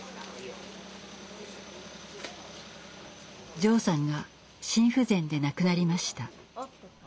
ジョーさんが心不全で亡くなりました。